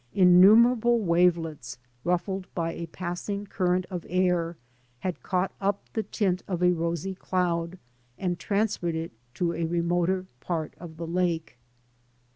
Innumerable wavelets, rufiled by a passing current of air, had caught up the tint of a rosy cloud, and transferred it to a remoter part of the lake.